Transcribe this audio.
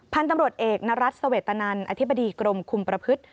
พันธุ์ตำรวจเอกนรัฐเสวตนันอธิบดีกรมคุมประพฤติ